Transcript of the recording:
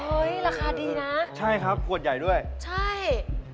ราคาดีนะใช่ครับขวดใหญ่ด้วยใช่